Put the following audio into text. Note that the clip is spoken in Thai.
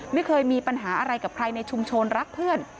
ไม่เคยมีปัญหาอะไรกับใครในชุมชนรักเพื่อน